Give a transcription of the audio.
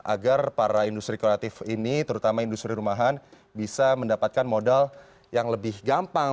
agar para industri kreatif ini terutama industri rumahan bisa mendapatkan modal yang lebih gampang